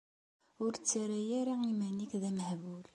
Ur ttarra ara iman-ik d amehbul.